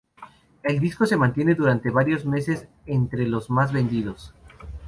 El disco se mantiene durante varios meses entre los más vendidos.